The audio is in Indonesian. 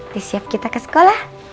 disiap kita ke sekolah